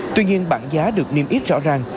tuy nhiên bản giá được niêm yết rõ ràng